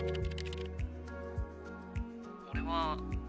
「俺は」